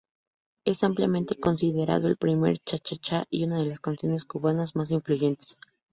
Es ampliamente considerado el primer cha-cha-chá y una de las canciones cubanas más influyentes.